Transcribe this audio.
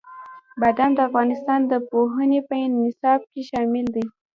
بادام د افغانستان د پوهنې په نصاب کې شامل دي.